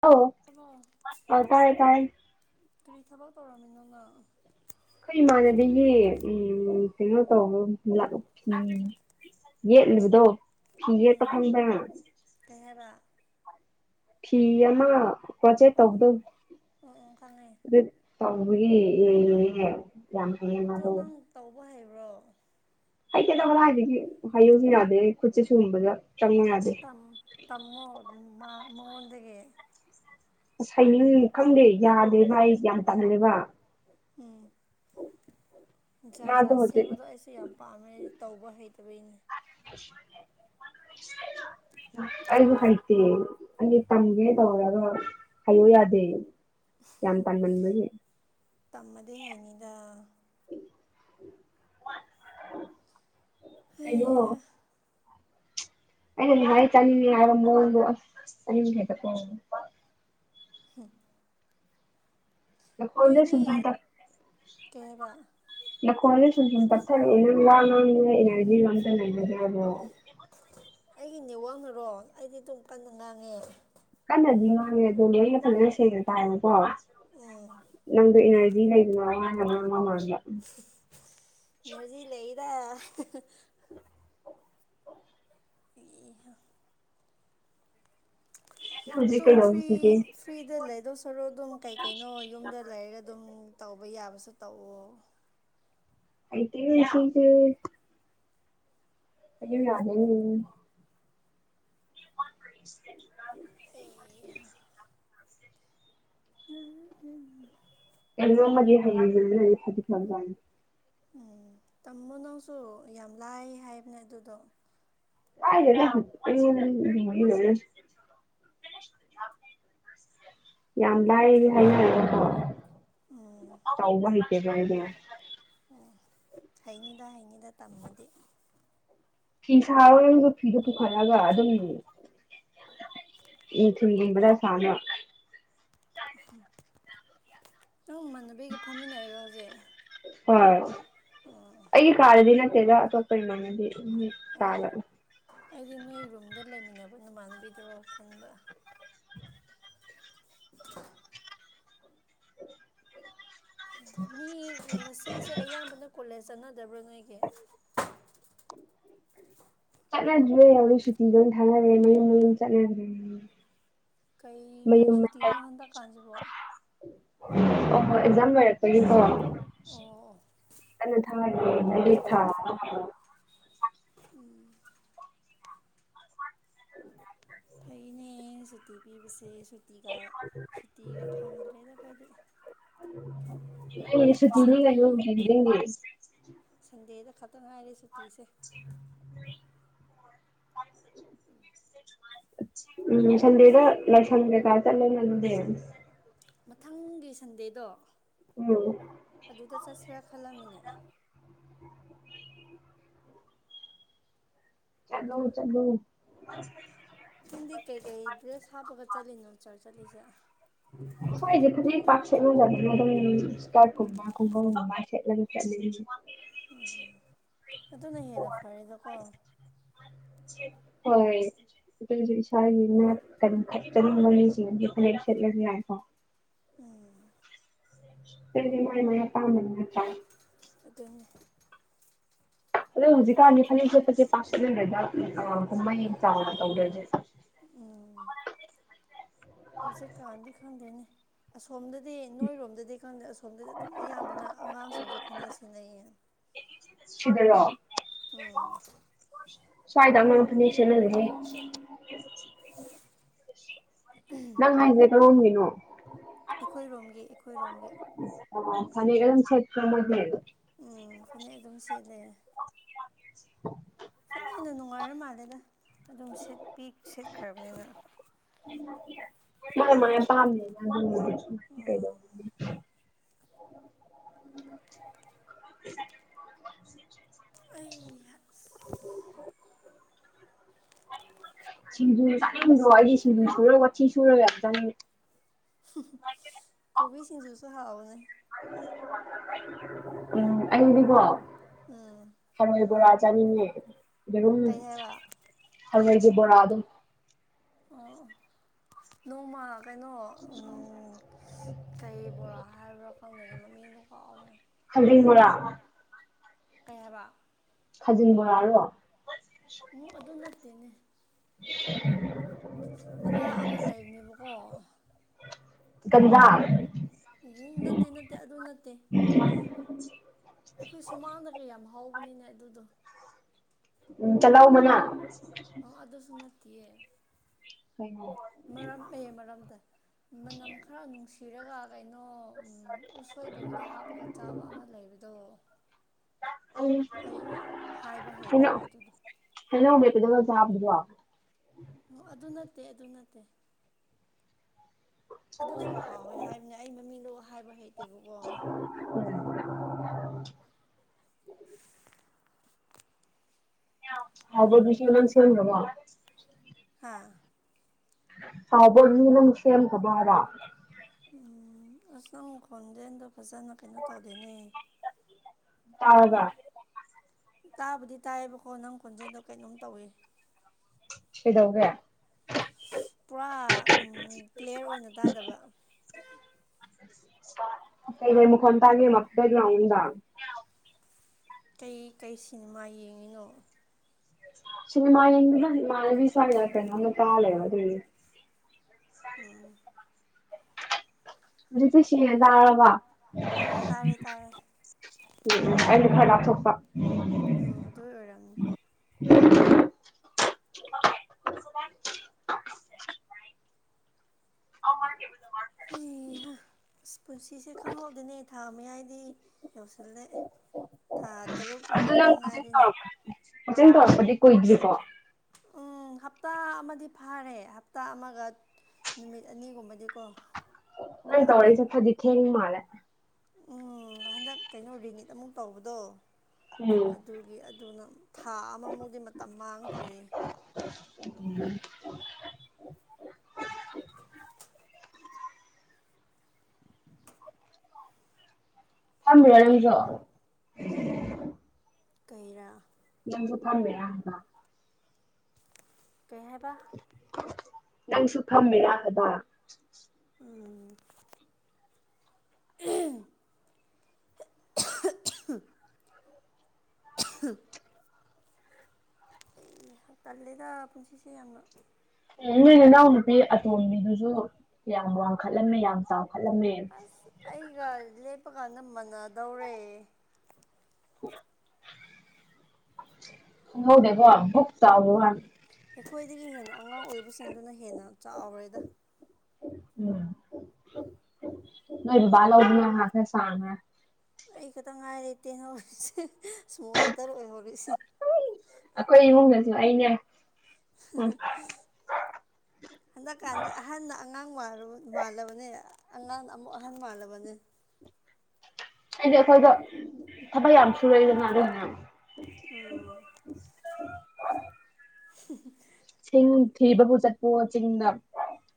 ꯑꯧ ꯑꯧ ꯇꯥꯔꯦ ꯇꯥꯔꯦ ꯑꯩꯈꯣꯏ ꯀꯔꯤ ꯊꯕꯛ ꯇꯧꯔꯝꯃꯤꯅꯣ ꯅꯪ ꯑꯩꯈꯣꯏ ꯏꯃꯥꯟꯅꯕꯤꯒꯤ ꯎꯝ ꯀꯩꯅꯣ ꯇꯧꯕꯒ ꯂꯥꯛ ꯌꯦꯠꯂꯤꯕꯗꯣ ꯐꯤ ꯌꯦꯠꯄ ꯎꯝ ꯈꯪꯕꯔꯥ ꯀꯩ ꯍꯥꯏꯕ ꯐꯤ ꯑꯃ ꯄꯣꯠꯆꯦ ꯑꯣ ꯇꯧꯕꯗꯣ ꯑꯣ ꯑꯣ ꯑꯣ ꯈꯪꯉꯦ ꯑꯗꯨ ꯇꯧꯕꯒꯤ ꯏꯔꯤꯅꯤꯍꯦ ꯑꯗꯣ ꯅꯪ ꯇꯧꯕ ꯍꯩꯕ꯭ꯔꯣ ꯍꯩꯇꯦꯗ ꯀꯗꯥꯏꯗꯒꯤ ꯍꯩꯌꯣꯁꯨ ꯌꯥꯗꯦ ꯑꯩ ꯈꯨꯠꯁꯦ ꯁꯤꯒꯨꯝꯕꯗ ꯆꯪꯑꯣ ꯌꯥꯗꯦ ꯑꯣ ꯇꯝꯃꯣ ꯃꯥ ꯃꯉꯣꯟꯗꯒꯤ ꯑꯁ ꯍꯩꯅꯤꯡ ꯈꯪꯗꯦ ꯌꯥꯗꯦꯕ ꯑꯩ ꯌꯥꯝ ꯇꯜꯂꯦꯕ ꯎꯝ ꯖꯥꯠ ꯃꯥꯗꯣ ꯖꯥꯠ ꯍꯧꯖꯤꯛ ꯁꯦꯝꯕꯗꯣ ꯑꯩꯁ [unintelligible] ꯌꯥꯝ ꯄꯥꯝꯃꯦ ꯇꯧꯕ ꯍꯩꯇꯕꯩꯅꯦ [inaudible] [inaudible] ꯑꯩꯖꯨ ꯍꯩꯇꯦ ꯑꯩꯖꯦ ꯇꯝꯒꯦ ꯇꯧꯔꯒ ꯍꯩꯌꯣ ꯌꯥꯗꯦ ꯌꯥꯝ ꯇꯟ ꯃꯟꯕꯒꯤ ꯇꯝꯃꯗꯤ ꯍꯩꯅꯤꯗ ꯍꯩꯍꯥ ꯑꯩꯅꯗꯤ ꯍꯥꯔꯆꯥꯅꯤꯡꯉꯦ ꯍꯥꯏꯕ ꯃꯥꯎꯟꯗꯣ ꯑꯁ [unintelligible] ꯍꯝ [unintelligible] ꯅꯈꯣꯟꯗꯣ ꯅꯣꯏꯅꯤ ꯀꯩ ꯍꯥꯏꯕ ꯁꯨꯝ ꯁꯨꯝ ꯇꯞꯊꯔꯛꯑꯦ [unintelligible] ꯑꯦꯅꯔꯖꯤꯒ ꯑꯝꯇ ꯂꯩꯖꯗꯔ꯭ꯕꯣ ꯑꯩꯒꯤ ꯅꯦꯠꯋꯥꯛꯅꯔꯣ ꯑꯩꯗꯤ ꯑꯗꯨꯝ ꯀꯟꯅ ꯉꯥꯡꯉꯦ ꯀꯅꯗꯤ ꯉꯥꯡꯡꯉꯦ ꯑꯗꯣ ꯃꯌꯦꯛ ꯐꯖꯅ ꯁꯦꯡꯅ ꯇꯥꯏꯌꯦꯀꯣ ꯎꯝ ꯅꯪꯗꯣ ꯏꯅꯔꯖꯤ [unintelligible] ꯏꯅꯔꯖꯤ ꯂꯩꯌꯦꯗ ꯍꯥ ꯍꯥ ꯏꯍꯥ ꯑꯗꯨꯝ ꯐ꯭ꯔꯤ ꯐ꯭ꯔꯤꯗ ꯂꯩꯗꯣꯏ ꯁꯔꯨꯛ ꯑꯗꯨꯝ ꯀꯩ ꯀꯩꯅꯣ ꯌꯨꯝꯗ ꯂꯩꯔ ꯑꯗꯨꯝ ꯇꯧꯕ ꯌꯥꯕꯁꯨ ꯇꯧꯑꯣ ꯑꯩꯗꯤ ꯍꯧꯗꯦ ꯑꯩꯖꯨ ꯌꯥꯗꯦꯅꯦ ꯑꯩ [inaudible] ꯎꯝ ꯎꯝ ꯀꯩꯅꯣꯝꯃꯗꯤ [unintelligible] ꯎꯝ ꯇꯝꯃꯣ ꯅꯪꯁꯨ ꯌꯥꯝ ꯂꯥꯏ ꯍꯥꯏꯕꯅꯦ ꯑꯗꯨꯗꯣ [unintelligible] ꯌꯥꯝ ꯂꯥꯏꯔꯥꯔꯦ ꯍꯥꯏꯅꯕꯅꯦꯀꯣ ꯎꯝ ꯇꯧꯕ ꯍꯩꯇꯦꯗ ꯑꯩꯗꯤ ꯍꯩꯅꯤꯗ ꯍꯩꯅꯤꯗ ꯇꯝꯃꯗꯤ ꯐꯤꯁꯥꯕ [unintelligible] ꯐꯤꯗꯣ ꯄꯨꯈꯠꯂꯒ ꯑꯗꯨꯝ [unintelligible] ꯑꯍꯝ ꯅꯪ ꯅꯃꯥꯟꯅꯕꯤꯒ ꯐꯝꯃꯤꯟꯅꯩꯔꯣ ꯍꯧꯖꯤꯛ ꯍꯣꯏ ꯑꯩꯒꯤ ꯀꯥꯗꯗꯤ ꯅꯠꯇꯦꯗ ꯑꯇꯣꯞꯄ ꯏꯃꯥꯟꯅꯕꯤ ꯑꯣ ꯑꯣ [unintelligible] ꯑꯩꯗꯤ ꯅꯣꯏ ꯔꯨꯝꯗ ꯂꯩꯃꯤꯟꯅꯕ ꯅꯃꯥꯟꯅꯕꯤꯗꯨꯔꯣ ꯈꯟꯕ [inaudible] ꯃꯤ ꯉꯁꯤꯁꯦ ꯑꯌꯥꯝꯕꯅ ꯀꯣꯂꯦꯖ ꯆꯠꯅꯗꯕ꯭ꯔꯥ ꯅꯣꯏꯒꯤ ꯆꯠꯅꯗꯤꯌꯦ ꯂꯣꯏ ꯁꯨꯇꯤ ꯂꯣꯏ ꯊꯅꯔꯦ ꯃꯌꯨꯝ ꯃꯌꯨꯝ ꯆꯠꯅꯒꯔꯦ ꯀꯩ ꯀꯩ ꯁꯨꯇꯤꯡꯅꯣ ꯍꯟꯗꯛꯀꯥꯟꯁꯤꯕꯣ ꯑꯣꯍꯣꯏ ꯑꯦꯛꯖꯥꯝ ꯂꯣꯏꯔꯛꯄꯒꯤꯀꯣ ꯑꯣ ꯑꯣ ꯀꯟꯅꯥ ꯊꯔꯤꯌꯦ [unintelligible] ꯎꯝ [unintelligible] ꯑꯩꯅ ꯁꯨꯇꯤ ꯄꯤꯕꯁꯦ ꯁꯨꯇꯤꯒ ꯁꯨꯇꯤꯒ ꯐꯪꯗ꯭ꯔꯦꯗ ꯑꯩꯈꯣꯏꯗꯤ ꯁꯟꯗꯦ [unintelligible] ꯁꯟꯗꯦꯗ ꯈꯇ ꯉꯥꯏꯔꯦ ꯁꯨꯇꯤꯁꯦ [unintelligible] ꯎꯝ ꯁꯟꯗꯦꯗ ꯂꯥꯏꯁꯪ ꯀꯩꯀꯥ ꯆꯠꯂꯣꯅ ꯑꯗꯨꯗꯤ ꯃꯊꯪꯒꯤ ꯁꯟꯗꯦꯗꯣ ꯎꯝ ꯑꯗꯨꯗ ꯆꯠꯁꯤꯔꯥ ꯈꯜꯂꯝꯃꯤꯅꯦ ꯆꯠꯂꯣ ꯆꯠꯂꯣ ꯅꯪꯗꯤ ꯀꯩꯀꯩ ꯗ꯭ꯔꯦꯁ ꯍꯥꯞꯄꯒ ꯆꯠꯂꯤꯅꯣ ꯆꯔ ꯆꯠꯂꯤꯖꯦ ꯁ꯭ꯋꯥꯏꯗꯤ ꯐꯅꯦꯛ ꯄꯥꯛ ꯁꯦꯠꯅꯗꯝꯅꯦ ꯗꯨꯝ ꯏꯁꯀꯔꯠ ꯀꯨꯝꯕ ꯈꯣꯡꯒꯥꯎꯒꯨꯝꯕ ꯁꯦꯠꯂꯒ ꯆꯠꯂꯦ ꯑꯩꯖꯨ ꯎꯝ ꯎꯝ ꯑꯗꯨꯅ ꯍꯦꯟꯅ ꯐꯔꯦꯗꯀꯣ ꯍꯣꯏ ꯑꯗꯨꯖꯨ ꯏꯁꯥꯒꯤ ꯅꯥꯠ ꯀꯟꯈꯠꯆꯅꯤꯡꯕ ꯃꯤꯁꯤꯡꯅꯗꯤ ꯐꯅꯦꯛ ꯁ ꯁꯦꯠꯂꯖꯨ ꯌꯥꯏꯀꯣ ꯎꯝ ꯇꯨꯗꯤ ꯃꯥꯥꯏ ꯃꯥꯏ ꯑꯄꯥꯝꯕꯅꯤ ꯅꯠꯇ꯭ꯔꯥ ꯑꯗꯨꯅꯤ ꯑꯗꯨ ꯍꯨꯖꯤꯛꯀꯥꯟꯗꯤ ꯐꯅꯦꯛ ꯁꯦꯠꯄꯁꯦ ꯄꯥꯛ ꯁꯦꯠꯅꯗ꯭ꯔꯦꯗ ꯎꯝ ꯑꯥ ꯀꯨꯃꯩ ꯆꯥꯎꯅ ꯇꯧꯗ꯭ꯔꯗꯤ ꯎꯝ ꯍꯧꯖꯤꯛ ꯀꯥꯟꯗꯤ ꯈꯪꯗꯦꯅꯦ ꯑꯁꯣꯝꯗꯗꯤ ꯅꯣꯏꯔꯣꯝꯗꯗꯤ ꯈꯪꯗꯦ ꯑꯁꯣ ꯁꯣꯝꯗꯗꯤ ꯑꯗꯨꯝ ꯑꯌꯥꯝꯕꯅ ꯑꯉꯥꯡꯁꯤꯡꯖꯨ ꯐꯅꯦꯛ ꯁꯦꯠꯅꯩꯌꯦ ꯁꯤꯗꯔꯣ ꯎꯝ ꯁ꯭ꯋꯥꯏꯗꯪ ꯂꯣꯏ ꯐꯅꯦꯛ ꯁꯦꯠꯅꯔꯦꯍꯦ ꯅꯪ ꯍꯥꯏꯖꯦ ꯀꯔꯣꯝꯉꯤꯅꯣ ꯑꯩꯈꯣꯏꯔꯣꯝꯒꯤ ꯑꯩꯈꯣꯏꯔꯣꯝꯒꯤ ꯏꯁ ꯑꯥ ꯐꯅꯦꯛ ꯑꯗꯨꯝ ꯁꯦꯠꯄ꯭ꯔꯥ ꯃꯣꯏꯗꯤ ꯎꯝ ꯐꯅꯦꯛ ꯑꯗꯨꯝ ꯁꯦꯠꯂꯦ [unintelligible] ꯐꯅꯦꯅ ꯅꯨꯉꯥꯏꯔ ꯃꯥꯜꯂꯦꯗ ꯑꯗꯨꯝ ꯁꯦꯠꯄꯤ ꯁꯦꯠꯈ꯭ꯔꯕꯅꯤꯅ ꯃꯥꯏ ꯃꯥꯏ ꯑꯄꯥꯝꯕꯅꯤꯗ ꯑꯗꯨꯕꯨꯗꯤ [unintelligible] ꯀꯩꯗꯧ ꯑꯩ ꯍꯥ [unintelligible] ꯁꯤꯡꯖꯨ ꯆꯥꯅꯤꯡꯗ꯭ꯔꯣ ꯑꯩꯗꯤ ꯁꯤꯡꯖꯨ ꯁꯨꯔ ꯋꯥꯊꯤ ꯁꯨꯔ ꯌꯥꯝ ꯆꯥꯅꯤꯡꯉꯤ ꯀꯣꯕꯤ ꯁꯤꯡꯖꯨꯁꯨ ꯍꯥꯥꯎꯕꯅꯦ [unintelligible] ꯎꯝ ꯑꯩꯗꯤꯀꯣ ꯎꯝ ꯍꯔꯣꯏ ꯕꯣꯔꯥ ꯆꯥꯅꯤꯉꯦ ꯌꯦꯔꯨꯝ ꯀꯩ ꯍꯥꯏꯕ ꯊꯔꯣꯏꯒꯤ ꯕꯣꯔꯥꯗꯣ ꯑꯣ ꯅꯣꯡꯃ ꯀꯩꯅꯣ ꯎꯝ ꯀꯩ ꯕꯣꯔꯥ ꯍꯥꯏꯕ꯭ꯔꯥ ꯈꯪꯗꯦꯅꯦ ꯃꯃꯤꯡꯗꯣ ꯀꯥꯎꯒ꯭ꯔꯦ ꯈꯖꯤꯡ ꯕꯣꯔꯥ ꯀꯩ ꯍꯥꯏꯕ ꯈꯖꯤꯟ ꯕꯣꯔꯥꯔꯣ ꯎꯪ ꯑꯗꯨ ꯅꯠꯇꯦꯅꯦ [unintelligible] ꯃꯅꯥ ꯑꯃ ꯂꯩꯕꯅꯦꯕꯀꯣ ꯒꯟꯖꯥ ꯅꯠꯇꯦ ꯅꯠꯇꯦ ꯑꯗꯨ ꯅꯠꯇꯦ ꯑꯩꯈꯣꯏ ꯁꯨꯃꯥꯡꯗꯒ ꯌꯥꯝ ꯍꯧꯕꯅꯤꯅꯦ ꯑꯗꯨꯗꯣ ꯎꯝ ꯇꯤꯜꯂꯧ ꯃꯅꯥ ꯑꯣ ꯑꯗꯨꯁꯨ ꯅꯠꯇꯤꯌꯦ ꯃꯔꯝꯃꯦ ꯃꯔꯝꯗ ꯃꯅꯝ ꯈꯔ ꯅꯨꯡꯁꯤꯔꯒꯥ ꯀꯩꯅꯣ ꯎꯝ ꯎꯁꯣꯏꯒꯨꯝꯕꯗ ꯍꯥꯞꯄꯒ ꯆꯥꯕ ꯑꯃ ꯂꯩꯕꯗꯣ ꯎꯝ ꯑꯩ ꯍꯥꯏꯕ ꯍꯩꯇꯕ ꯍꯩꯅꯧ ꯑꯗꯨꯗꯣ ꯍꯩꯅꯧ ꯑꯃꯦꯠꯄꯗꯨꯒꯥ ꯆꯥꯕꯗꯨꯔꯣ ꯑꯣ ꯑꯗꯨ ꯅꯠꯇꯦ ꯑꯗꯨ ꯅꯠꯇꯦ ꯑꯗꯨꯁꯨ ꯍꯥꯎꯋꯦ ꯍꯥꯏ ꯅꯦ ꯑꯩ ꯃꯃꯤꯡꯗꯣ ꯍꯥꯏꯕ ꯍꯩꯇꯦꯕꯀꯣ [inaudible] [inaudible] ꯍꯥꯎꯕꯔ ꯕꯤꯁꯤ ꯂꯣꯏ ꯁꯦꯝꯒꯔꯕꯣ ꯍꯥꯥ ꯆꯥꯎꯕ ꯒꯤ ꯅꯪ ꯁꯦꯝꯈ꯭ꯔꯥꯕꯣ ꯍꯥꯌꯕ ꯎꯝ ꯑꯁ ꯅꯪ ꯈꯣꯟꯖꯦꯟꯗꯣ ꯐꯖꯅ ꯀꯩꯅꯣ ꯇꯧꯗꯦꯅꯦ ꯇꯥꯔꯕꯥ ꯇꯥꯕꯨꯗꯤ ꯇꯥꯏꯌꯦꯕꯀꯣ ꯅꯪ ꯈꯣꯟꯖꯦꯟꯗꯣ ꯀꯩꯅꯣꯝ ꯇꯧꯋꯦ ꯀꯩꯗꯧꯒꯦ ꯄꯨꯔꯥ ꯎꯝ ꯀ꯭ꯂꯦꯌꯔ ꯑꯣꯏꯅ ꯇꯥꯗꯕ ꯀꯩ ꯀꯩ ꯃꯈꯣꯟ ꯇꯥꯒꯦ ꯕꯦꯛꯒꯥꯎꯟꯗ ꯀꯩ ꯀꯩ ꯁꯤꯅꯤꯃꯥ ꯌꯦꯡꯉꯤꯅꯣ ꯁꯤꯅꯤꯃꯥ ꯌꯦꯡꯗꯦꯗꯥ ꯏꯃꯥꯟꯅꯕꯤ ꯁꯨꯋꯥꯏꯗ ꯀꯩꯅꯣꯝꯃꯥ ꯇꯥ ꯂꯩꯔꯕꯥ ꯑꯗꯨꯒꯤ ꯑꯥ ꯍꯧꯖꯤꯛꯇꯤ ꯁꯦꯡꯅ ꯇꯥꯔꯕꯣ ꯎꯝ ꯇꯥꯔꯦ ꯇꯥꯔꯦ ꯑꯩꯅ ꯈꯔ ꯂꯥꯞꯊꯣꯀꯄ ꯑꯣ ꯑꯗꯨꯏ ꯑꯣꯏꯔꯝꯅꯤ ꯑꯧ ꯃꯥꯟꯅꯦ ꯑꯩꯍꯥ ꯄꯨꯟꯁꯤꯁꯦ ꯈꯪꯍꯧꯗꯦꯅꯦ ꯊꯥ ꯃꯌꯥꯏꯗꯤ ꯌꯧꯁꯤꯜꯂꯛꯑꯦ ꯊꯥ ꯇꯔꯨꯛꯀꯨꯝꯕ ꯈꯛꯇꯪ ꯉꯥꯏꯔꯦꯅꯦ ꯃꯇꯦꯡ ꯇꯧꯔꯛꯄꯗꯤ ꯀꯨꯏꯗ꯭ꯔꯤꯀꯣ ꯎꯝ ꯍꯞꯇꯥ ꯑꯃꯗꯤ ꯐꯥꯔꯦ ꯍꯞꯇꯥ ꯑꯃꯒ ꯅꯨꯃꯤꯠ ꯑꯅꯤꯒꯨꯝꯕꯗꯤꯀꯣ ꯑꯩꯅꯥ ꯐꯥꯔꯦ ꯇꯧꯔꯛꯏꯁꯤ ꯈ꯭ꯔꯗꯤ ꯊꯦꯡꯕ ꯃꯥꯜꯂꯦ ꯎꯝ ꯍꯟꯗꯛ ꯀꯩꯅꯣ ꯔꯤꯅꯤꯠ ꯑꯃꯨꯛ ꯇꯧꯕꯗꯣ ꯎꯝ ꯑꯗꯨ ꯒꯤ ꯑꯗꯨꯅ ꯊꯥ ꯑꯃꯃꯨꯛꯗꯤ ꯃꯇꯝ ꯃꯥꯡꯈ꯭ꯔꯦ ꯎꯝ [inaudible] ꯐꯝꯗ꯭ꯔꯦ ꯑꯗꯨꯁꯨ ꯀꯩꯔꯥ ꯅꯪꯁꯨ ꯐꯝꯃꯤꯔꯥ ꯍꯥꯏꯕꯥ ꯀꯩ ꯍꯥꯏꯕ ꯅꯪꯁꯨ ꯐꯝꯃꯤꯔꯥ ꯍꯥꯏꯕ ꯎꯝ [inaudible] ꯇꯜꯂꯤꯗ ꯄꯨꯟꯁꯤꯁꯦ ꯌꯥꯝꯅ ꯅꯣꯏ ꯅꯥꯎ ꯅꯨꯄꯤ ꯑꯇꯣꯝꯕꯤꯗꯨꯖꯨ ꯌꯥꯝ ꯋꯥꯡꯈꯠꯂꯝꯃꯦ ꯌꯥꯝ ꯆꯥꯎꯈꯠꯂꯝꯃꯦ ꯑꯁ ꯑꯩꯒ ꯂꯦꯞꯄꯀꯥꯟꯗ ꯃꯥꯟꯅꯗꯧꯔꯦ ꯈꯪꯍꯧꯗꯦꯀꯣ ꯕꯨꯛ ꯆꯥꯎꯒꯤꯋꯥꯟ ꯑꯩꯈꯣꯏꯗꯒꯤ ꯍꯦꯟꯅ ꯑꯉꯥꯡ ꯑꯣꯏꯕꯁꯤꯡꯗꯨꯅ ꯍꯦꯟꯅ ꯆꯥꯎꯔꯦꯗ ꯎꯝ ꯅꯣꯏ ꯕꯕꯥ ꯂꯧꯗꯅꯥ ꯍꯥ ꯈꯔꯥ ꯁꯥꯡꯉꯦ ꯑꯩ ꯈꯛꯇ ꯉꯥꯏꯔꯦ ꯇꯦꯟ ꯍꯧꯔꯤꯁꯦ ꯁ꯭ꯃꯣꯜ ꯂꯦꯇꯔ ꯑꯣꯏꯍꯧꯔꯤꯁꯤ ꯑꯩꯈꯣꯏ ꯏꯃꯨꯡꯗꯁꯨ ꯑꯩꯅꯦ ꯎꯝ [unintelligible] ꯍꯟꯗꯛꯀꯥꯟꯗꯤ ꯑꯍꯟꯅ ꯑꯉꯥꯡ ꯃꯥꯜꯂꯕꯅꯦ ꯑꯉꯥꯡ ꯑꯃꯨꯛ ꯑꯍꯟ ꯃꯥꯜꯂꯕꯅꯦ ꯑꯩꯗꯤ ꯑꯩꯈꯣꯏꯗ ꯊꯕꯛ ꯌꯥꯝ ꯁꯨꯔꯛꯏꯗꯅ ꯑꯗꯨꯅꯦ ꯎꯝ ꯆꯤꯡ ꯊꯤꯕꯕꯨ ꯆꯠꯄꯣꯋꯣ ꯆꯤꯡꯗ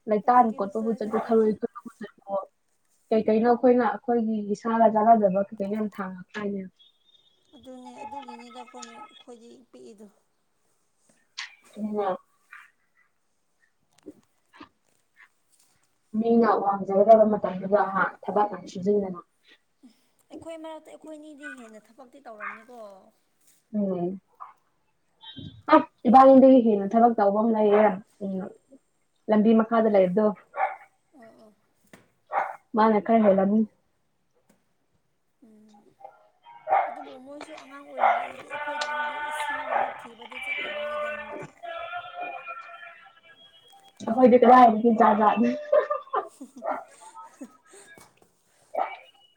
ꯂꯩꯇꯥꯟ ꯑꯦꯛꯁꯀ꯭ꯌꯨꯁꯇꯣ ꯀꯣꯠꯄꯕꯨ ꯆꯠꯄꯣ ꯑꯩꯈꯣꯏꯒꯤ ꯊꯔꯣꯏ ꯈꯨꯟꯕ ꯑꯣ ꯀꯩꯀꯩꯅꯣ ꯑꯩꯈꯣꯏꯅ ꯑꯩꯈꯣꯏꯒꯤ ꯏꯁꯥꯒ ꯆꯥꯟꯅꯖꯕ ꯀꯩꯀꯩꯅꯣ ꯌꯥꯝ ꯊꯥꯡꯉꯛꯇꯥꯏꯅꯦ ꯑꯗꯨꯅꯦ ꯑꯗꯨꯒꯤꯅꯤꯗ ꯈꯣꯏꯅ ꯈꯣꯏꯗꯤ ꯄꯤꯛꯏꯗꯣ [unintelligible] ꯃꯤꯅ ꯋꯥꯡꯖꯒꯗꯕ ꯃꯇꯝꯗꯨꯗ ꯍꯥ ꯊꯕꯛ ꯑꯃꯨꯛ ꯁꯨꯖꯟꯗꯅ ꯑꯩꯈꯣꯏ ꯃꯔꯛꯇ ꯑꯩꯈꯣꯏꯅꯤꯗꯤ ꯍꯦꯟꯅ ꯊꯕꯛꯇꯤ ꯇꯧꯔꯝꯅꯤꯀꯣ ꯎꯝ ꯑꯁ ꯏꯕꯥꯅꯤꯗꯒꯤ ꯍꯦꯟꯅ ꯊꯕꯛ ꯇꯧꯕ ꯑꯃ ꯂꯩꯔꯦ ꯎꯝ ꯂꯝꯕꯤ ꯃꯈꯥꯗ ꯂꯩꯕꯗꯣ ꯑꯣ ꯑꯣ ꯃꯥꯅ ꯈꯔ ꯍꯦꯜꯂꯝꯅꯤ [unintelligible] ꯑꯗꯨꯕꯨ ꯃꯣꯏꯁꯨ ꯑꯉꯥꯡ ꯑꯣꯏꯔꯤꯉꯩꯗꯗꯤ ꯑꯩꯈꯣꯏꯗꯧꯅꯗꯤ ꯏꯁꯤꯡꯒꯨꯝꯕ ꯊꯤꯕꯗꯤ ꯆꯠꯇꯕꯅꯤꯗ ꯃꯣꯏꯗꯤ ꯑꯩꯈꯣꯏꯗꯤ ꯀꯗꯥꯏꯗꯒꯤ ꯖꯥꯠ ꯖꯥꯠꯅꯤ [unintelligible]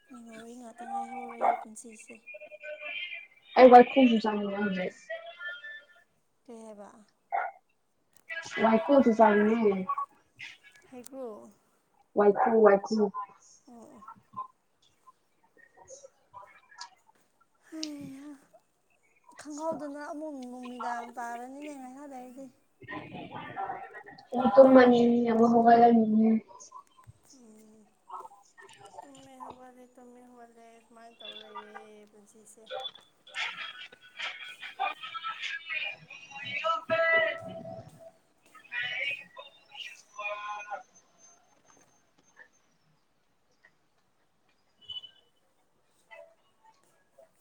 ꯃꯦꯃꯣꯔꯤ ꯉꯥꯛꯇ ꯉꯥꯏꯍꯧꯔꯦ ꯄꯨꯟꯁꯤꯁꯦ ꯑꯩ ꯋꯥꯏꯈꯨꯖꯨ ꯆꯥꯅꯤꯡꯉꯝꯗ꯭ꯔꯦ ꯀꯩ ꯍꯥꯏꯕ ꯋꯥꯏꯈꯨꯖꯨ ꯆꯥꯅꯤꯡꯉꯦ ꯍꯩꯀꯨ ꯋꯥꯏꯈꯨ ꯋꯥꯏꯈꯨ ꯑꯣ [unintelligible] ꯍꯩ ꯍꯥ ꯈꯪꯍꯧꯗꯅ ꯑꯃꯨꯛ ꯅꯨꯃꯤꯗꯥꯡ ꯇꯥꯔꯅꯤꯅꯦ ꯉꯥꯏꯍꯥꯛꯂꯩꯔꯗꯤ ꯑꯃꯨꯛ ꯇꯨꯝꯃꯅꯤ ꯑꯃꯨꯛ ꯍꯧꯒꯠꯂꯅꯤ ꯎꯝ ꯇꯨꯝꯃꯤ ꯍꯧꯒꯠꯂꯦ ꯇꯨꯝꯃꯤ ꯍꯧꯒꯠꯂꯦ ꯁꯨꯃꯥꯏꯅ ꯇꯧꯔ ꯂꯩꯔꯦ ꯄꯨꯟꯁꯤꯁꯦ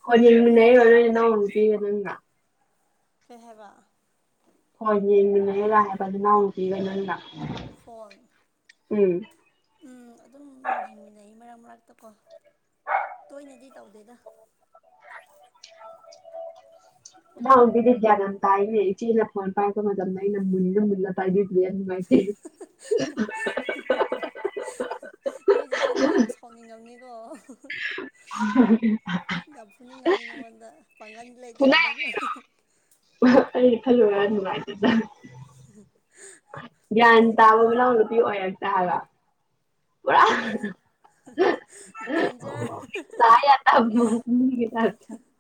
ꯐꯣꯟ ꯌꯦꯡꯃꯤꯟꯅꯩꯔꯣ ꯍꯩꯍꯥ ꯅꯣꯏ ꯅꯅꯥꯎ ꯅꯨꯄꯤꯒ ꯅꯪꯒ ꯀꯩ ꯍꯥꯏꯕ ꯐꯣꯟ ꯌꯦꯡꯃꯤꯟꯅꯩꯔ ꯍꯥꯏꯕ ꯅꯅꯥꯎ ꯅꯨꯄꯤꯒ ꯅꯪꯒ ꯐꯣꯟ ꯎꯝ ꯎꯝ ꯑꯗꯨꯝ ꯌꯦꯡꯃꯤꯟꯅꯩ ꯃꯔꯛ ꯃꯔꯛꯇ ꯀꯣ ꯇꯣꯏꯅꯗꯤ ꯇꯧꯗꯦꯗ ꯅꯅꯥꯎ ꯅꯨꯄꯤꯗꯤ ꯒ꯭ꯌꯥꯟ ꯌꯥꯝ ꯇꯥꯏꯅꯦ ꯏꯆꯦꯅ ꯐꯣꯟ ꯄꯥꯏꯔꯛꯄ ꯃꯇꯝꯗ ꯑꯩꯅ ꯃꯨꯜꯂ ꯃꯨꯜꯂ ꯄꯥꯏꯕꯤꯕꯅꯦ ꯅꯨꯡꯉꯥꯏ ꯇꯦ ꯍꯥꯍꯥꯍꯥ ꯅꯣꯏ ꯆꯦꯆꯦꯗꯣ ꯌꯥꯝ ꯁꯥꯎꯅꯤꯡꯉꯝꯅꯤꯀꯣ ꯍꯤ ꯍꯤ ꯎꯝ ꯐꯨꯗꯤ ꯌꯥꯝ ꯐꯨꯅꯤꯡ ꯉꯝꯅꯤ ꯅꯉꯣꯟꯗ ꯄꯥꯡꯒꯟ ꯂꯩꯇꯕꯅꯤꯅ ꯑꯩ ꯈꯜꯂꯨꯔꯒ ꯅꯨꯡꯉꯥꯏꯖꯗꯦ ꯍ ꯍ ꯒ꯭ꯌꯥꯟ ꯇꯕ ꯃꯅꯥꯎ ꯅꯨꯄꯤ ꯑꯣꯔꯛꯇꯦ ꯍꯥꯏꯕ ꯗꯦꯟꯖꯔ ꯇꯥ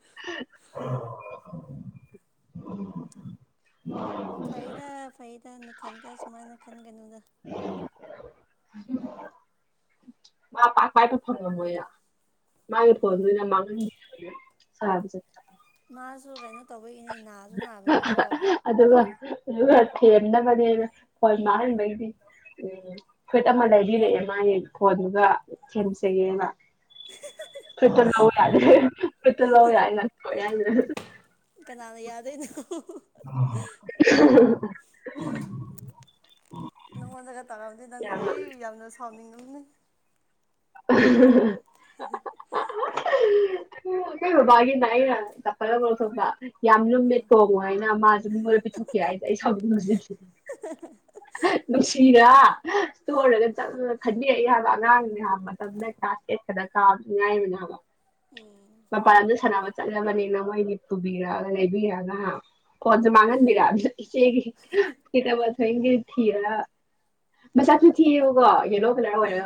ꯑꯝ ꯐꯩꯗ ꯐꯩꯗ ꯅꯊꯟꯇ ꯁꯨꯃꯥꯏꯅ ꯈꯟꯒꯅꯨꯗ [inaudible] ꯃꯥ ꯄꯥꯛ ꯄꯥꯏꯄ ꯐꯪꯉꯝꯃꯣꯏꯔ ꯃꯥꯒꯤ ꯎꯝ ꯐꯣꯟꯗꯨ ꯎꯝ ꯑꯣꯏꯅꯥ ꯃꯥꯁꯨ ꯀꯩꯅꯣ ꯇꯧꯕꯒꯤꯅꯦ ꯅꯥꯁꯨ ꯅꯥꯕꯒꯤꯀꯣ ꯑꯗꯨꯒ ꯊꯦꯝꯅꯕꯅꯦ ꯍꯣꯏ ꯃꯅꯥꯍꯟꯕꯩꯗꯤ ꯎꯝ ꯐꯨꯔꯤꯠ ꯑꯃ ꯂꯩꯕꯤꯔꯛꯑꯦ ꯃꯥꯒꯤ ꯐꯣꯟꯗꯨꯒ ꯁꯦꯝꯁꯩꯒꯦꯕ ꯐꯨꯔꯤꯠꯇꯨ ꯂꯧ ꯌꯥꯗꯦ ꯐꯔꯤꯠꯇꯨ ꯂꯧ ꯌꯥꯏꯦ ꯅ ꯌꯥ ꯀꯅꯥꯅ ꯌꯥꯗꯣꯏꯅꯣ [inaudible] ꯅꯉꯣꯟꯗꯒ ꯇꯥꯔꯝꯑꯝꯗꯦ ꯅꯪꯗꯤ ꯑꯦ ꯌꯥꯝꯅ ꯁꯥꯎꯅꯤꯡꯉꯝꯅꯤ [inaudible] [inaudible] ꯑꯩꯈꯣꯏ ꯕꯕꯥꯒꯤꯅꯦ ꯑꯩꯅꯥ ꯆꯞꯄꯜ ꯑꯃꯥ ꯂꯧꯊꯣꯛꯄꯦ ꯥꯝ ꯂꯨꯝꯃꯦ ꯇꯣꯞ ꯃꯥꯏꯅ ꯃꯥꯁꯦ ꯃꯤꯉꯣꯟꯗ ꯄꯤꯊꯣꯛꯈꯤ ꯍꯥꯏꯁꯦ ꯑꯩ ꯁꯥꯎꯅꯤꯡꯕꯁꯤ [inaudible] ꯅꯨꯡꯁꯤꯔ ꯇꯣꯛꯎꯔꯒ ꯆꯝꯅꯥ ꯈꯟꯕꯤꯔꯛꯏ ꯍꯥꯏꯕ ꯑꯉꯥꯡꯅꯦ ꯍꯥꯏꯕꯅꯤ ꯃꯇꯝꯗꯥ ꯑꯩ ꯀ꯭ꯂꯥꯁ ꯥ ꯇꯦꯟ ꯈꯛꯇꯡ ꯀꯥꯕꯇꯥ ꯉꯥꯏꯔꯤ ꯍꯥꯏꯕ ꯎꯝ ꯃꯄꯥꯟ ꯂꯝꯗ ꯁꯥꯟꯅꯕ ꯆꯠꯂꯕꯅꯦꯅ ꯃꯣꯏꯗꯤ ꯄꯨꯕꯤꯔꯛꯑꯒ ꯂꯩꯕꯤꯔꯛꯒ ꯍꯥ ꯐꯣꯟꯁꯨ ꯃꯥꯥꯡꯍꯟꯕꯤꯔꯛꯑꯃꯤꯅꯥ ꯏꯆꯦꯒꯤ ꯐꯨꯔꯤꯠ ꯑꯃꯥ ꯊꯑꯣꯏ ꯀꯤ ꯊꯔ ꯃꯆꯥꯥꯛꯁꯨ ꯊꯤꯑꯕꯀꯣ ꯌꯦꯂꯣ ꯀꯂꯔ ꯎꯝ ꯑꯣꯏꯔ